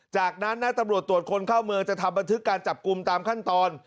จากนั้นนะตำรวจตรวจคนเข้าเมืองจะทำบันทึกการจับกลุ่มตามขั้นตอน